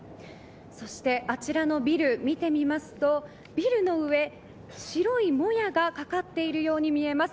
そして、あちらのビルを見てみますとビルの上、白いもやがかかっているように見えます。